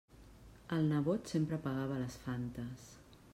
El nebot sempre pagava les Fantes.